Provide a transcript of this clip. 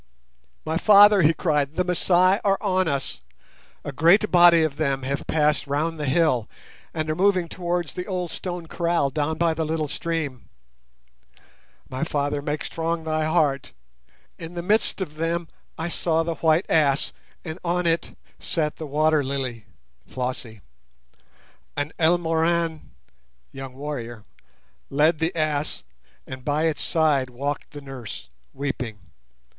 "My father," he cried, "the Masai are on us! A great body of them have passed round the hill and are moving towards the old stone kraal down by the little stream. My father, make strong thy heart! In the midst of them I saw the white ass, and on it sat the Water lily [Flossie]. An Elmoran [young warrior] led the ass, and by its side walked the nurse weeping.